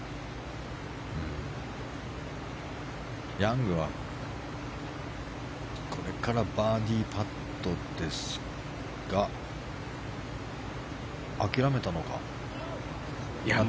ヤングはこれからバーディーパットですが諦めたのか？